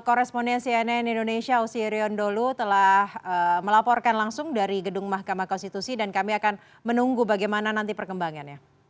korespondensi ann indonesia osi rion dholu telah melaporkan langsung dari gedung mahkamah konstitusi dan kami akan menunggu bagaimana nanti perkembangannya